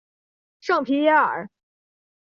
圣皮耶尔。